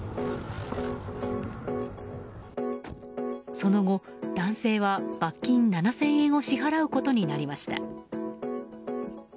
その後、男性は罰金７０００円を支払うことになりました。